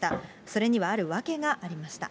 それにはある訳がありました。